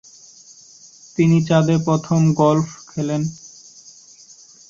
তিনি চাঁদে প্রথম গল্ফ খেলেন।